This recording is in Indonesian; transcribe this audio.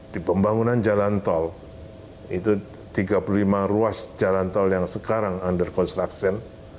di pembangunan jalan tol itu tiga puluh lima ruas jalan tol yang sekarang under construction